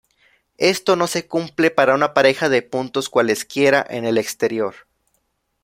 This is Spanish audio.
Esto no se cumple para una pareja de puntos cualesquiera en el exterior.